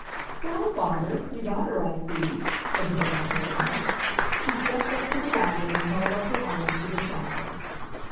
"Well, Father, you got her, I see," said the brown haired one. She stepped up to the wagon and held up her arms to the child.